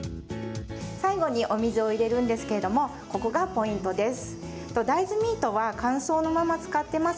最後にお水を入れるんですけれども、ここがポイントです。